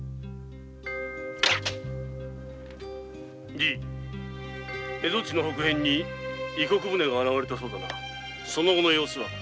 じぃ蝦夷地の北辺に異国船が現れたそうだなその後の様子は？